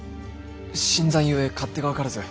新参ゆえ勝手が分からず。